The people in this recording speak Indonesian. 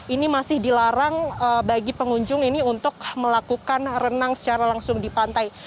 ini masih dilarang bagi pengunjung ini untuk melakukan renang secara langsung di pantai